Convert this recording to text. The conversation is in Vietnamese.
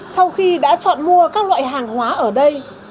sau khi đã chọn mua các loại hàng hóa ở đây